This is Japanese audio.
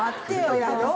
やろう！